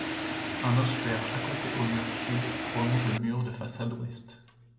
Un ossuaire accoté au mur sud, prolonge le mur de façade ouest.